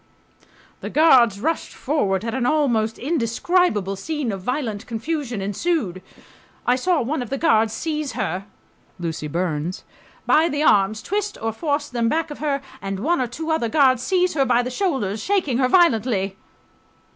The guards rushed forward and an almost indescribable scene of violent confusion ensued. I ... saw one of the guards seize her [Lucy Burns] by the arms, twist or force them back of her, and one or two other guards seize her by the shoulders, shaking her violently